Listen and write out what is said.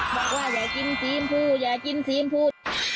บอกว่าอย่ากินซีมพูอย่ากินซีมพู